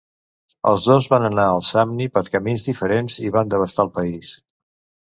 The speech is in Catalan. Els dos van anar al Samni per camins diferents i van devastar el país.